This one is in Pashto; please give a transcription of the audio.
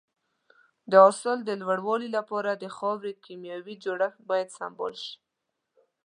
د حاصل د لوړوالي لپاره د خاورې کيمیاوي جوړښت باید سمبال شي.